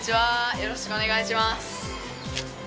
よろしくお願いします。